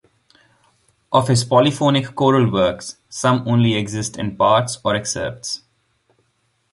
Of his polyphonic choral works, some only exist in parts or excerpts.